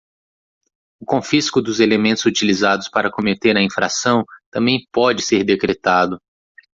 O confisco dos elementos utilizados para cometer a infração também pode ser decretado.